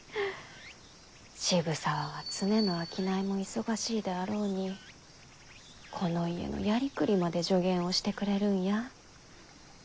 渋沢は常の商いも忙しいであろうにこの家のやりくりまで助言をしてくれるんや。